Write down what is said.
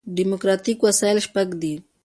ډیموکراټیک وسایل شپږ دي.